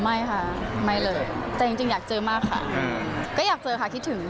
ไม่ค่ะไม่เลยแต่จริงอยากเจอมากค่ะก็อยากเจอค่ะคิดถึง